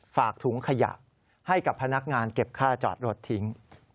ฝากถุงขยะให้กับพนักงานเก็บค่าจอดรถทิ้ง